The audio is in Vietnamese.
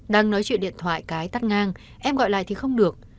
đang nói chuyện điện thoại cái tắt ngang em gọi lại thì không được